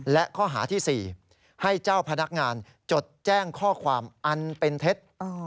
และข้อหาที่๔ให้เจ้าพนักงานจดแจ้งข้อความอันเป็นเท็จ